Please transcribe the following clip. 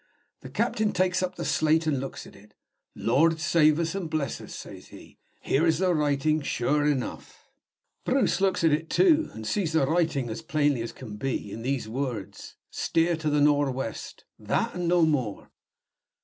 The captain takes up the slate and looks at it. 'Lord save us and bless us!' says he; 'here the writing is, sure enough!' Bruce looks at it too, and sees the writing as plainly as can be, in these words: 'Steer to the nor' west.' That, and no more.